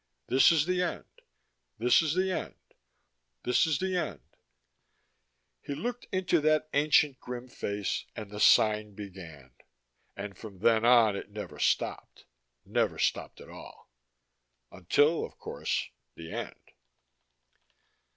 This is the end. This is the end. This is the end. He looked into that ancient grim face and the sign began. And from then on it never stopped, never stopped at all Until, of course, the end.